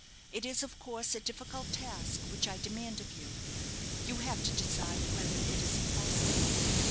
It is, of course, a difficult task which I demand of you. You have to decide whether it is impossible."